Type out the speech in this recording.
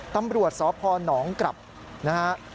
ตำรวจสพหนองกลับนะครับ